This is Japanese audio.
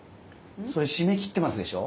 それ閉めきってますでしょ？